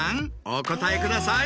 お答えください。